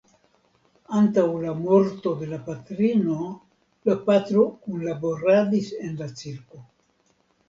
Antaŭ la morto de la patrino la patro kunlaboradis en la cirko.